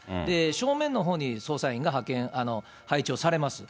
正面のほうに捜査員が配置をされます。